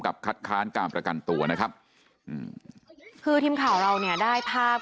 คัดค้านการประกันตัวนะครับอืมคือทีมข่าวเราเนี่ยได้ภาพ